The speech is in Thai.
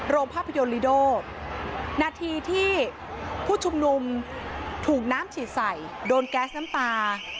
ภาพยนตร์ลีโดนาทีที่ผู้ชุมนุมถูกน้ำฉีดใส่โดนแก๊สน้ำตา